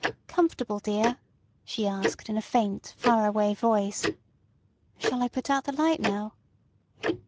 "Comfortable, dear?" she asked in a faint, far away voice. "Shall I put out the light now?"